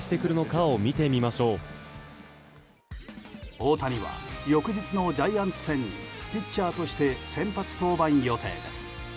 大谷は翌日のジャイアンツ戦にピッチャーとして先発登板予定です。